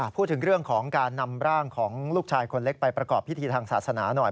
พูดถึงเรื่องของการนำร่างของลูกชายคนเล็กไปประกอบพิธีทางศาสนาหน่อย